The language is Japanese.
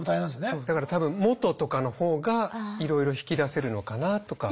そうだから多分元とかの方がいろいろ引き出せるのかなとか。